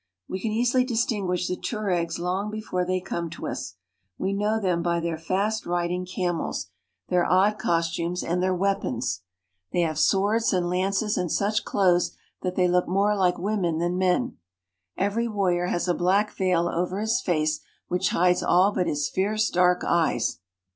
B can easily distinguish the Tueregs long before they tne to us. We know them by their fast riding camels, their odd costumes, and their weapons. They have swords , and lances, and such clothes that they look more like ^H women than men. Every warrior has a black veil over ^^1 his face which hides all hut his fierce, dark eyes.